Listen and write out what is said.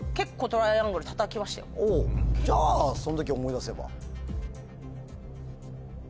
じゃあその時を思い出せば。